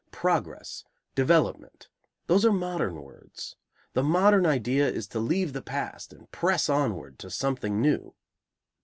Progress, development, those are modern words. The modern idea is to leave the past and press onward to something new.